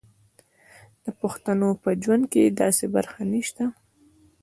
د پښتنو په ژوند کې داسې برخه نشته.